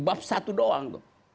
bab satu doang